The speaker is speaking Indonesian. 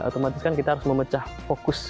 otomatis kan kita harus memecah fokus